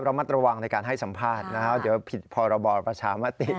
ระมัดระวังในการให้สัมภาษณ์นะครับเดี๋ยวผิดพรบประชามติ